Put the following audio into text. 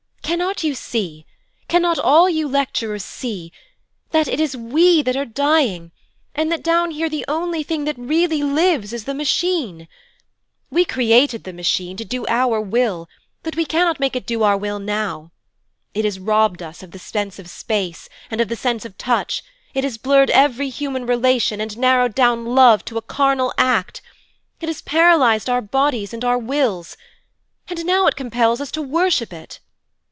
'Cannot you see, cannot all you lecturers see, that it is we that are dying, and that down here the only thing that really lives is the Machine? We created the Machine, to do our will, but we cannot make it do our will now. It has robbed us of the sense of space and of the sense of touch, it has blurred every human relation and narrowed down love to a carnal act, it has paralysed our bodies and our wills, and now it compels us to worship it.